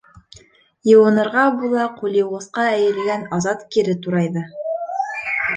- Йыуынырға була ҡулъйыуғысҡа эйелгән Азат кире турайҙы.